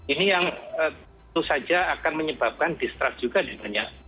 ini yang tentu saja akan menyebabkan distrust juga di banyak